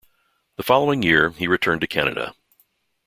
The following year he returned to Canada.